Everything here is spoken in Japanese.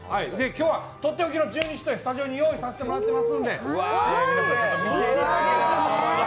今日はとっておきの十二単をスタジオに用意させていただいてますんで。